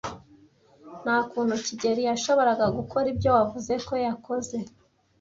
Nta kuntu kigeli yashoboraga gukora ibyo wavuze ko yakoze.